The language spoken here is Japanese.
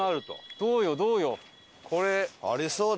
どうよどうよ？